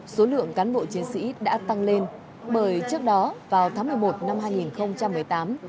số lượng cán bộ chiến sĩ đã tăng lên bởi trước đó vào tháng một mươi một năm hai nghìn một mươi tám